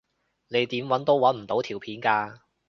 你點搵都搵唔到條片㗎